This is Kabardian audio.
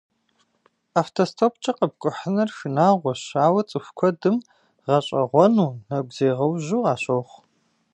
Автостопкӏэ къэпкӏухьыныр шынагъуэщ, ауэ цӏыху куэдым гъэщӏэгъуэну, нэгузегъэужьу къащохъу.